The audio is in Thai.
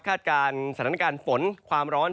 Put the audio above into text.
การสถานการณ์ฝนความร้อน